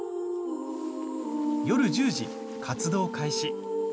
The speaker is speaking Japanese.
夜１０時、活動開始。